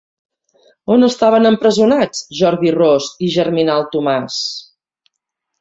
On estaven empresonats Jordi Ros i Germinal Tomàs?